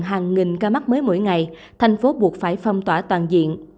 hàng nghìn ca mắc mới mỗi ngày thành phố buộc phải phong tỏa toàn diện